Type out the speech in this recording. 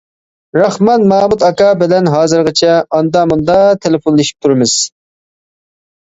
راخمان مامۇت ئاكا بىلەن ھازىرغىچە ئاندا-مۇندا تېلېفونلىشىپ تۇرىمىز.